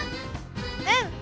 うん！